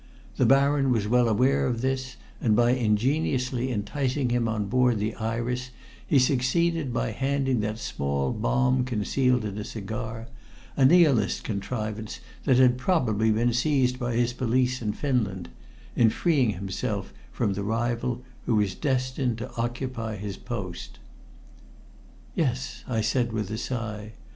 The Baron was well aware of this, and by ingeniously enticing him on board the Iris he succeeded by handing that small bomb concealed in a cigar a Nihilist contrivance that had probably been seized by his police in Finland in freeing himself from the rival who was destined to occupy his post." "Yes," I said with a sigh.